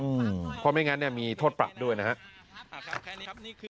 เพราะไม่งั้นเนี่ยมีโทษปรับด้วยนะครับ